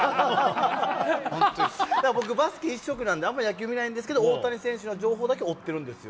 僕、バスケ一色なんで、あんまり野球見ないんですけど、大谷選手の情報だけ追ってるんですよ。